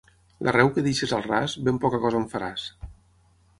L'arreu que deixis al ras, ben poca cosa en faràs.